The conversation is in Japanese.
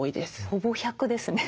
ほぼ１００ですね。